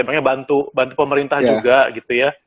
makanya bantu pemerintah juga gitu ya